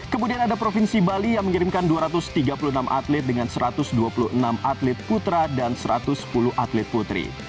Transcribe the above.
kemudian ada provinsi bali yang mengirimkan dua ratus tiga puluh enam atlet dengan satu ratus dua puluh enam atlet putra dan satu ratus sepuluh atlet putri